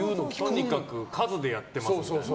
とにかく数でやってますみたいな。